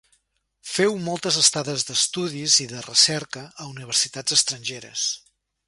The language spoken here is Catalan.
Féu moltes estades d'estudis i de recerca a universitats estrangeres.